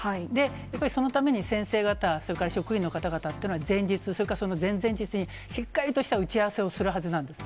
やっぱりそのために先生方、それから職員の方々っていうのは、前日、それからその前々日に、しっかりとした打ち合わせをするはずなんです。